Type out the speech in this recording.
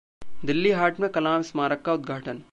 दिल्ली हाट में 'कलाम स्मारक' का उद्घाटन